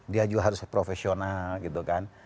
dia juga harus profesional gitu kan